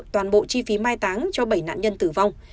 toàn bộ chi phí mai táng cho bảy nạn nhân tử vong